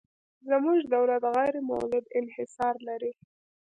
زموږ دولت غیر مولد انحصار لري.